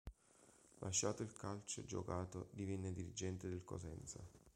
Lasciato il calcio giocato divenne dirigente del Cosenza.